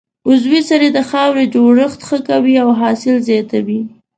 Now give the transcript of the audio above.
عضوي سرې د خاورې جوړښت ښه کوي او حاصل زیاتوي.